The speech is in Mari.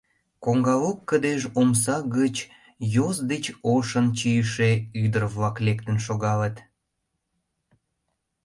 Коҥга лук кыдеж омса гыч йос деч ошын чийыше ӱдыр-влак лектын шогалыт.